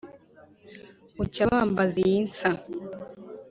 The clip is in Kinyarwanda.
Bucya bambaza iyi nsa.